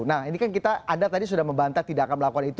nah ini kan kita anda tadi sudah membantah tidak akan melakukan itu